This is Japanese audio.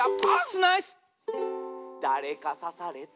「だれかさされた」